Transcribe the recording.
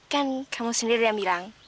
kan kamu sendiri yang bilang